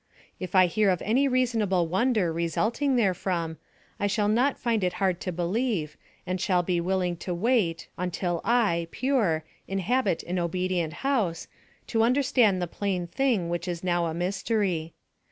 If I hear of any reasonable wonder resulting therefrom, I shall not find it hard to believe, and shall be willing to wait until I, pure, inhabit an obedient house, to understand the plain thing which is now a mystery.